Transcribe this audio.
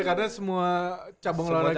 karena semua cabang olahraga